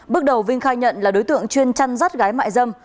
bước đầu vinh khai nhận là đối tượng chuyên chăn rắt gái mại dâm